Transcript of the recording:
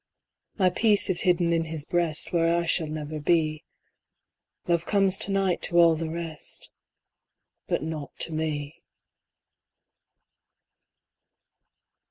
My peace is hidden in his breast Where I shall never be, Love comes to night to all the rest, But not to me.